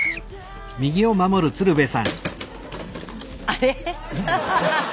あれ？